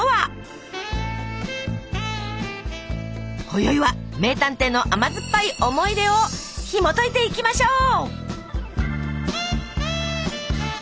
こよいは名探偵の甘酸っぱい思い出をひもといていきましょう。